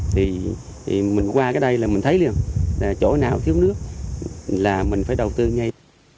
thì mình qua cái đây là mình thấy luôn chỗ nào thiếu nước là mình phải đầu tư ngay